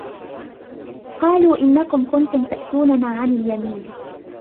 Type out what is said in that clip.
قَالُوا إِنَّكُمْ كُنْتُمْ تَأْتُونَنَا عَنِ الْيَمِينِ